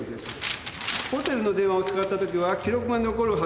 ホテルの電話を使った時は記録が残るはずです。